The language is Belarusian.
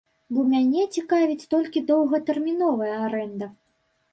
Бо мяне цікавіць толькі доўгатэрміновая арэнда!